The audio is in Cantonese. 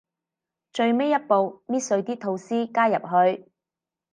最尾一步，搣碎啲吐司加入去